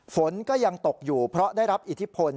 ฝนก็ยังตกอยู่เพราะได้รับอิทธิพล